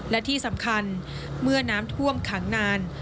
และที่สำคัญเมื่อน้ำท่วมขังนาน